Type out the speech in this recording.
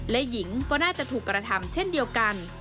และหญิงก็น่าจะถูกกระทำเช่นเดียวกัน